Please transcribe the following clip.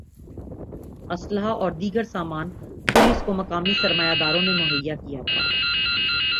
ہ اسلحہ اور دیگر سامان پولیس کو مقامی سرمایہ داروں نے مہیا کیا تھا